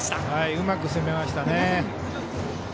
うまく攻めましたね。